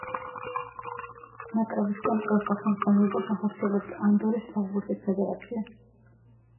ნაკრების კონტროლს და ხელმძღვანელობას ახორციელებს ანდორის ფეხბურთის ფედერაცია.